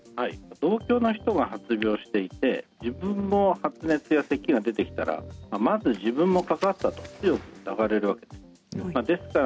同居の人が発病していて自分も発熱やせきが出てきたらまず自分もかかったという流れです。